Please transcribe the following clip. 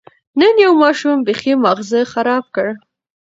نن یو ماشوم بېخي ماغزه خراب کړ.